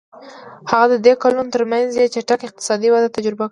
هغه د دې کلونو ترمنځ یې چټکه اقتصادي وده تجربه کړه.